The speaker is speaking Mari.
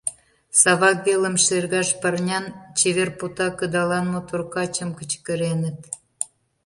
Савак велым шергаш парнян, чевер пота кыдалан мотор качым кычкыреныт.